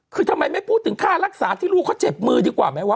คือทำไมไม่พูดถึงค่ารักษาที่ลูกเขาเจ็บมือดีกว่าไหมวะ